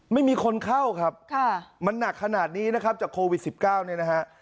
ไม่มีคนเข้าครับมันหนักขนาดนี้นะครับจากโควิด๑๙เนี่ยนะฮะ